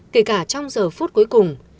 kể cả trong giờ phút cuối cùng